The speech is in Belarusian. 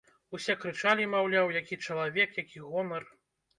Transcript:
Усе крычалі, маўляў, які чалавек, які гонар.